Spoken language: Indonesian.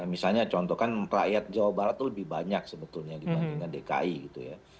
misalnya contohkan rakyat jawa barat lebih banyak sebetulnya dibandingkan dki gitu ya